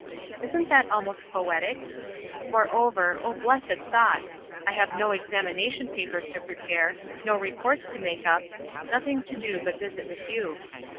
Isn't that almost poetic? Moreover, oh blessed thought! I have no examination papers to prepare, no reports to make up; nothing to do but visit with you.